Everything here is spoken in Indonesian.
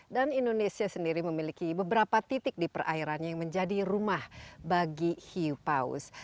dan indonesia sendiri memiliki beberapa titik di perairannya yang menjadi rumah bagi hiu paus